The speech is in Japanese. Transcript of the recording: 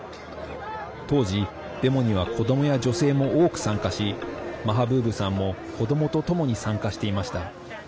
当時、デモには子どもや女性も多く参加しマハブーブさんも子どもとともに参加していました。